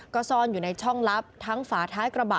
ก็ซ่อนอยู่ในช่องลับทั้งฝาท้ายกระบะ